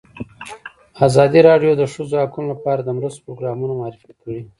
ازادي راډیو د د ښځو حقونه لپاره د مرستو پروګرامونه معرفي کړي.